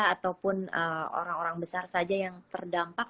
ataupun orang orang besar saja yang terdampak